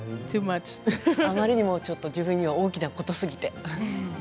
あまりにも自分には大きなことすぎて。